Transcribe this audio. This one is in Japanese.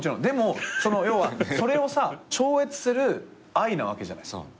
でも要はそれを超越する愛なわけじゃない。